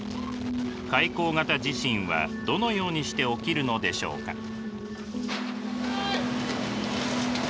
海溝型地震はどのようにして起きるのでしょうか。